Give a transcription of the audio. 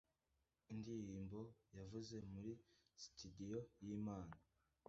indirimbo yavuye muri sitidiyo y’Imana